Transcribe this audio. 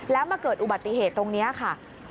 แล้วมาเกิดอุบัติเหตุตรงนี้ค่ะ